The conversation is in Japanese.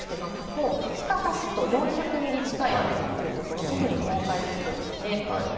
もう２日足すと４００ミリ近い雨が降る所、特に東海地方ですね。